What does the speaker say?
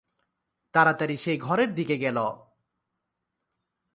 তাড়াতাড়ি সেই ঘরের দিকে গেল।